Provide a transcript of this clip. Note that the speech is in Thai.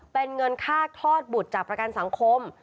เป็นเงินค่าคลอดบุตรจากประกันสังคม